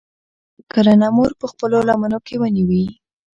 کله نمر پۀ خپلو لمنو کښې ونيوي